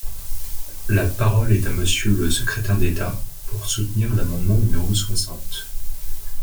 La parole est à Monsieur le secrétaire d’État, pour soutenir l’amendement numéro soixante.